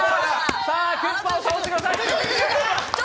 さあ、クッパを倒してください！